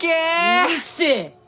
うるせえ！